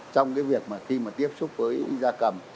trong cái việc mà khi mà tiếp xúc với da cầm